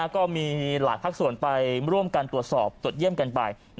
ก็มีหลายภาคส่วนไปร่วมกันตรวจสอบตรวจเยี่ยมกันไป